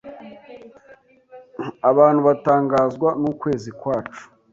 abantu batangazwa n’ukwezi kwacu